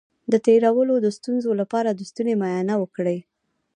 د تیرولو د ستونزې لپاره د ستوني معاینه وکړئ